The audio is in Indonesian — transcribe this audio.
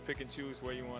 pembeliannya bagus makanan